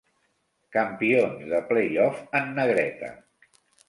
Campions de playoff en negreta.